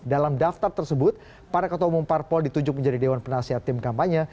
dalam daftar tersebut para ketua umum parpol ditunjuk menjadi dewan penasihat tim kampanye